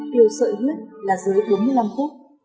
tiêu sợi huyết là dưới bốn mươi năm phút